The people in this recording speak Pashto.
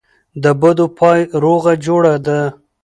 دبدو پای روغه جوړه ده.